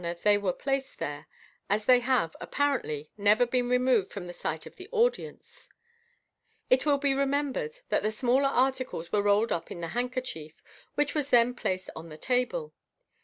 294. MODERN MA GIC. 465 they were placed there, as they have (apparently) never been removed from the sight of the audience. It will be remembered that the smaller articles were rolled up in the handkerchief, which was then planed on the table.